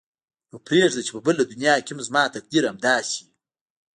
نو پرېږده چې په بله دنیا کې هم زما تقدیر همداسې وي.